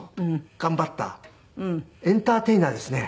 頑張ったエンターテイナーですね。